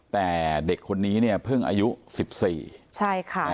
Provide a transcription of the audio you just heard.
แต่เด็กคนนี้เนี่ยเพิ่งอายุ๑๔ใช่ค่ะ